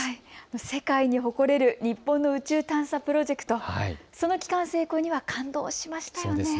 世界に誇れる日本の宇宙探査プロジェクト、その帰還成功には感動しました。